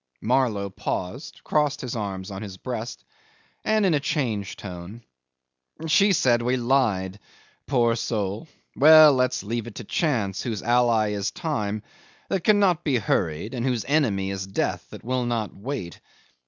...' Marlow paused, crossed his arms on his breast, and in a changed tone 'She said we lied. Poor soul! Well let's leave it to Chance, whose ally is Time, that cannot be hurried, and whose enemy is Death, that will not wait.